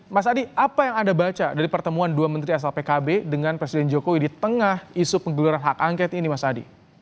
mas adi apa yang anda baca dari pertemuan dua menteri asal pkb dengan presiden jokowi di tengah isu penggeluran hak angket ini mas adi